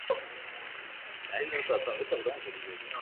His brother Larry Gomes played Test cricket for the West Indies.